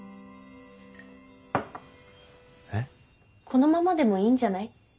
このままでもいいんじゃない？